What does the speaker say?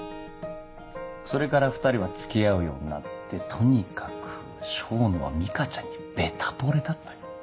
それから２人は付き合うようになってとにかく笙野は実花ちゃんにベタ惚れだったよ。